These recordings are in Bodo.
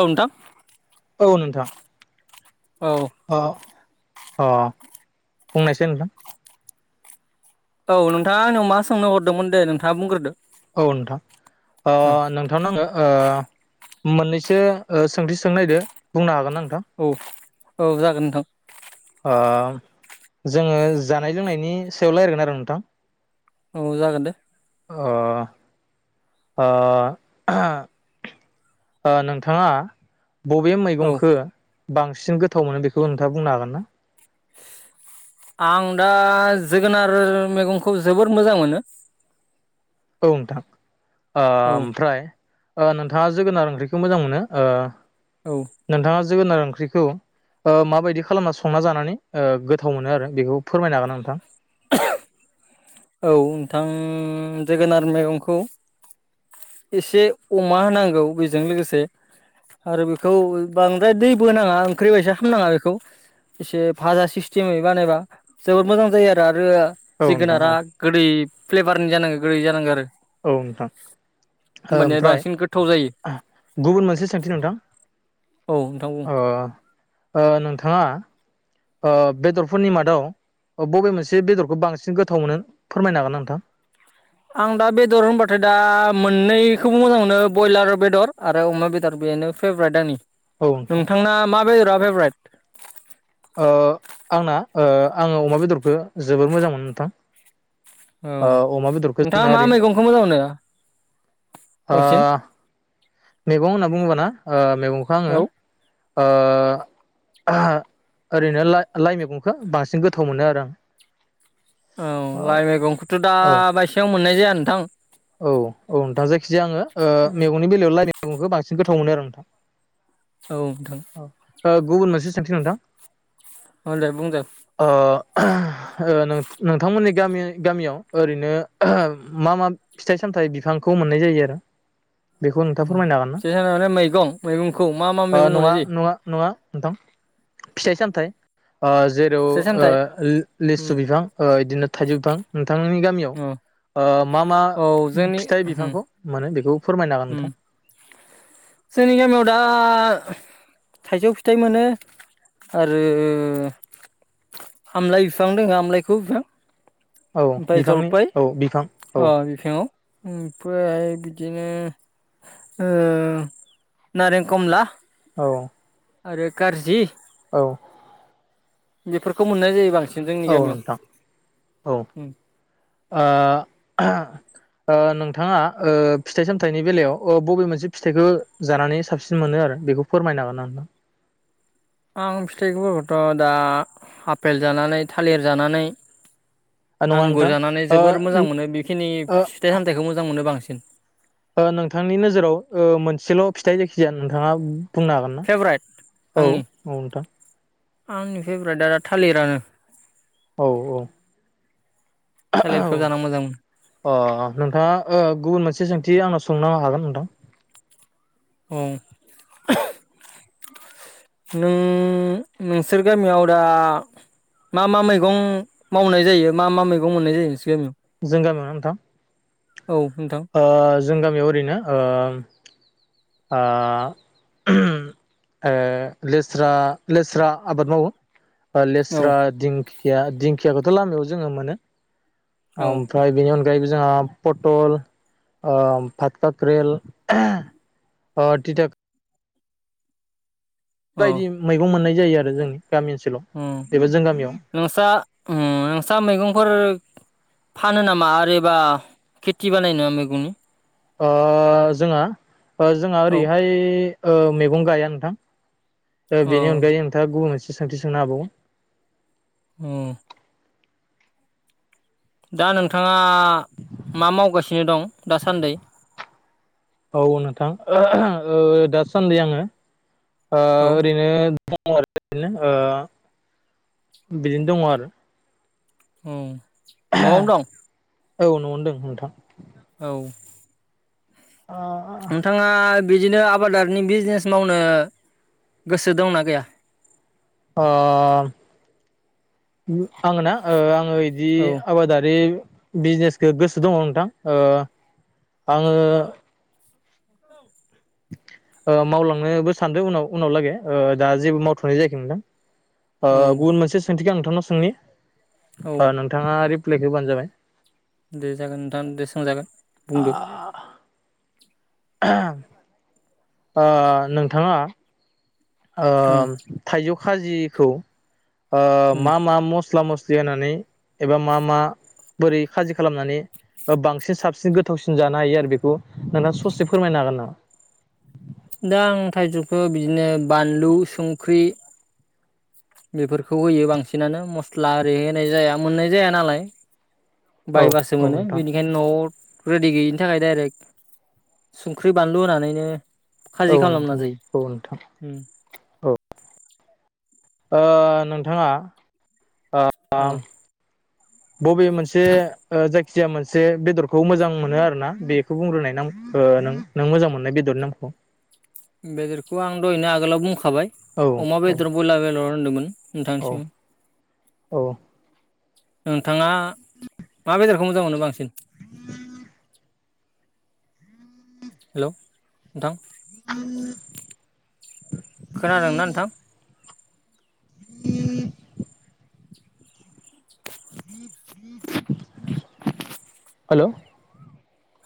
औ‌‌ नोंथां। औ नोंथां। औ। अ अ बुंनायसै नोंथां। औ नोंथाङा आंनियाव मा सोंनो हरदोंमोन दे नोंथाङा बुंग्रोदो। औ नोंथां ओ औ नोंथांनो आङो ओ मोननैसो ओ सोंथि सोंनो नायदो बुंनो हागोनना नों औ औ जागोन नोंथां ओ जोङो जानाय लोंनायनि सायाव रायलयगोन आरो नोंथां औ जागोन दे ओ ओ ओ नोंथाङा बबे औ मैगंखौ बांसिन गोथाव मोनो बेखौ नोंथाङा बुंनो हागोन ना आं दा जोगोनार मैगंखौ जोबोर मोजां मोनो औम नोंथां ओ औ ओमफ्राय ओ नोंथाङा जोगोनार ओंख्रिखौ मोजां मोनो ओ औ नोंथाङा जोगोनार ओंख्रिखौ ओ माबायदि खालामना संना जानानै ओ गोथाव मोनो आरो बेखौ फोरमायनो हागोन ना नोंथां [inaudible] ओम जोगोनार मैगंखौ एसे अमा होनांगौ बेजों लोगोसे आरो बेखौ बांद्राय दै बोनाङा ओंख्रि बायसा खालामानाङा बेखौ एसे भाजा सिस्टेमै बानायबा जोबोद मोजां जायो आरो आरो औ नोंथां जोगोनारा औ गोदै फ्लेभारनि जानांगौ गोदै जानांगौ आरो औ नोंथां ओ होमबानिया ओमफ्राय बांसिन गोथाव जायो गुबुन मोनसे सोंथि नोंथां औ नोंथां बुं ओ ओ नोंथाङा ओ बेदरफोरनि मादाव बबे मोनसे बेदरखौ बांसिन गोथाव मोनो फोरमायनो हागोन ना नोंथां आं दा बेदर होनबाथाय दा मोननैखौबो मोजां मोनो ब्रयलार बेदर आरो अमा बेदर बेनो फेभरेट आंनि औ नोंथां नोंथांना मा बेदरा भेबेरेद। ओ आंना ओ आङो अमा बेदरखौ जोबोर मोजां मोनो नोंथां। औ ओ अमा बेदरखौ जोंना नोंथाङा मा ओरैनो मैगंखौ मोजां मोनो ओ बांसिन? मैगं होनना बुङोबाना ओ मैगंखौ आङो औ ओ ओरैनो लाइ लाइ मैगंखौ बांसिन गोथाव मोनो आरो आं। औ लाइ मैगंखौथ' दा औ बायसेयाव मोननाय जाया। नोंथां। औ औ नोंथां जायखिजाया आङो ओ मेगंनि बेलायाव लाइ गंखौ बांसिन गोथाव मोनो आरो नोंथां। औ नोंथां। औ ओ गुबुन मोनसे सोंथि नोंथां। अ दे बुं दे। ओ नों नोंथांमोननि गामि गामियाव ओरैनो मा मा फिथाइ सामथायाइ बिफांखौ मोननाय जायो आरो बेखौ नोंथाङा फोरमायनो हागोन ना फिथाइ सामथाइ माने मैगं मैगंखौ मा मा ओ मैगं मोननाय नङा जायो नङा नङा नोंथां फिथाइ सामथाइ ओ जेराव फिथाइ ओ सामथाइ लि उम लिसु बिफां ओ इदिनो थाइजौ बिफां नोंथांनि गामियाव औ ओ मा मा औ जोंनि फिथाइ उम बिफांखौ मोनो बेखौ फोरमायनो हागोन उम नोंथां जोंनि गामियाव दा थाइजौ फिथाइ मोनो आरो आमलाइ बिफां दङ आमलाइखु बिफां औ ओमफ्राय बिफांनि जलपायय औ बिफां औ अ बिफाङाव ओमफ्राय बिदिनो ओ नारें कमला औ। आरो कारजि औ औ। बेफोरखौ मोननाय जायो बांसि औ नोंथां औ ओ। उम ओ नोंथाङा ओ फिथाइ सामथाइनि बेलायाव ओ बबे मोनसे फिथाइखौ जानानै साबसिन मोनो आरो बेखौ फोरमायनो हागोन ना नोंथां? आं फिथाइफोरखौथ दा आपेल जानानै थालिर जानानै ना नोंथां आंगुरजानानै ओ जोबोर मोजां मोनो बेखिनि नङा नोंथां ओ फिथाइ सामथाइखौ मोजां मोनो बांसिन। जेन। ओ नोंथांनि नोजोराव ओ मोनसेल फिथाइ जायखिजाया नोंथाङा बुंनो हागोन ना फेभराइट औ आंनि औ नोंथां। आंनि फेभ्रेटआ थालिरानो। औ औ। औ थालिरखौ जाना मोजां मोनो अ अ नोंथाङा ओ गुबुन मोनसे सोंथि आंनाव सों नो हागोन नोंथां। औ नों नोंसोर गामियाव दा मा मा मैगं मावनाय जायो मा मा मैगं मोननाय जायो नोंसोर गामियाव जों गामियाव ना नोंथां? औ नोंथां ओ जों गामियाव ओरैनो ओ ओ ओ लेस्रा लेस्रा आबाद मावो औ लेस्रा दिंखिया दिंख खियाखौथ लामायाव जोङो मोनो औ ओमफ्राय बेनि अन गयैबो जोंहा पटल ओ भाट काक्रेल ओ टिटा बेबायदि मैगं मोननाय जायो आरो जोंनि गामि ओनसोलाव एबा जों गामियाव नोंसा नोंसा मैगंफोर फानो नामा आरो एबा खेथि बानाय नङा मैगंनि? ओ जोंहा ओ जोंहा औ ओरैहाय ओ मैगं गाया नोंथां बेनि औ अनगायै नोंथाङा गुबुन सोंथि सोंनो हाबावो औ दा नोंथाङा मा मावगासिनो दं दासान्दै औ नोंथां ओ दासान्दै आङो आ औ ओरैनो दङ आरो बिदिनो ओ बिदिनो दङ आरो उम न'आवनो दं औ न'आवनो दों नोंथां। औ अ नोंथाङा बिदिनो आबादारिनि बिजनेस मावनो गोसो दंना गैया? ओ आंङो ना आं आङो इदि औ आबादारि बिजनेसखौ गोसो दङ नोंथां ओ आङो मावलांनोबो सानदों उनाव उनाव लागै ओ दा जेबो मावथ'नाय जायाखै नोंथां। औ गुबुन मोनसे सोंथिखौ आं नोंथां नाव सोंनि औ अ नोंथाङा [unintelligible] दे जागोन नोंथां दे सोंजागोन। बुंदो आ [unintelligible] ओ नोंथाङा ओ उम थाइजौ खाजिखौ ओ उम मा मा मस्ला मस्लि होनानै एबा मा मा बोरै खाजि खालामनानै बांसिन साबसिन गोथावसिन जानो हायो आरो बेखौ नोंथाङा ससे फोरमायनो हागोन नामा। दा आं थाइजौखौ बिदिनो बानलु संख्रि। बेफोरखौ होयो बांसिनानो मस्ला ओरै होनाय जाया मोननाय जाया नालाय। औ बायबासो औ मोनो नोंथां बेनिखायनो न'आव रेडि गैयिनि थाखाय डाइरेक्ट संख्रि बानलु होनानैनो औ खाजि खालामना नोंथां जायो औ नोंथां उम औ। ओ नोंथाङा ओ औ [unintelligible] बबे मोनसे ओ जाय खिजाया मोनसे बेदरखौ मोजां मोनो आरोना बेखौ बुंग्रोनाय नाम ओ नों मोजां मोननाय बेदरनि नामखौ। बेदरखौ आं दहैनो आगोलाव बुंखा बाय औ अमा औ बेदर बयलार। होनदोंमोन। औ नोंथांसिम। औ नोंथाङा मा बेदरखौ मोजां मोनो बांसिन? [inaudible] हेलौ नोंथां। खोनादोंना नोंथां? [inaudible] [inaudible] हेलौ।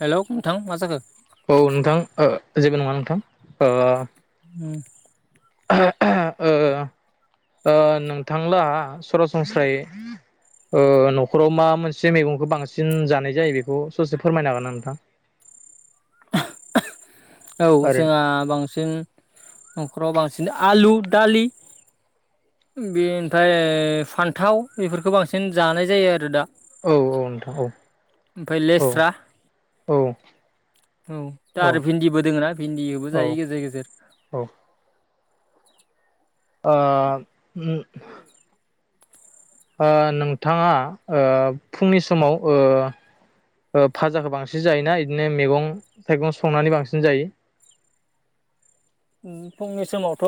हेलौ नोंथां मा जाखो? औ नोंथां ओ जेबो नङा नोंथां ओ उम। [unintelligible] ओ ओ नोंथां लाहा सरासनस्रायै ओ न'खराव मा मोनसे मैगंखौ बांसिन जानाय जायो बेखौ ससे फोरमायनो हागोन ना नोंथां? [unintelligible] औ ओरैनो जोंहा बांसिन नखराव बांसिन आलु दालि बे ओमफाय फान्थाव बेफोरखो बांसिन जानाय जायो आरो दा। औ औ नोंथां औ। ओमफाय औ लेस्रा औ औ दा आरो भिन्दिबो दोङो ना भिन्दिबो जायो गेजेर गेजेर। औ ओ उम ओ नोंथाङा ओ फुंनि समाव ओ ओ भाजाखो बांसिन जायोना इदिनो मैगं थाइगं संनानै बांसिन जायो? फुंनि समावथ'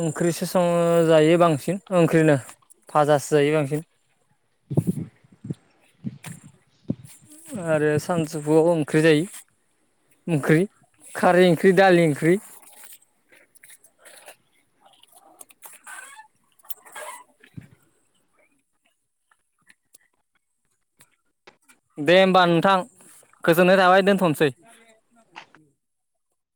ओंख्रिसो सङो जायो बांसिन ओंख्रिनो भाजासो जायो बांसिन। [inaudible] आरो सानजुफुवाव ओंख्रि जायो ओंख्रि खारै ओंख्रि दालि ओंख्रि। दे होमबा नोंथां गोजोननाय थाबाय दोनथ'नोसै।